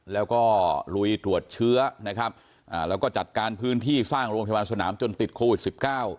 แล้วก็ลูยตรวจเชื้อจัดการพื้นที่สร้างโรงพยาบาลสนามจนติดโควิด๑๙